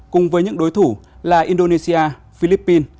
cùng với những đối thủ là indonesia philippines